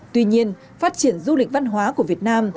tuy nhiên phát triển du lịch văn hóa của việt nam